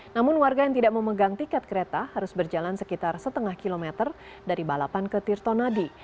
namun warga yang tidak memegang tiket kereta harus berjalan sekitar setengah kilometer dari balapan ke tirtonadi